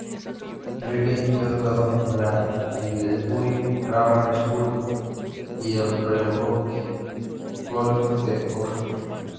Riley fue educado en la Aylesbury Grammar School y el Pembroke College de Oxford.